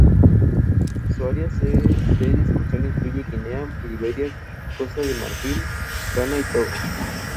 Esta innovación permitía un reparto de esfuerzos, además de conseguir la sensación de ligereza.